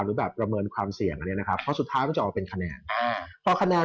คืออันนี้ต้องบอกว่า